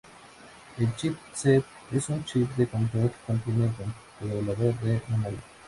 El chip-C es un chip de control que contiene el controlador de memoria.